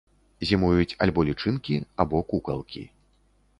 Зімуюць альбо лічынкі або кукалкі.